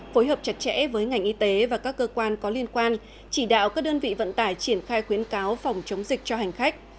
phối hợp chặt chẽ với ngành y tế và các cơ quan có liên quan chỉ đạo các đơn vị vận tải triển khai khuyến cáo phòng chống dịch cho hành khách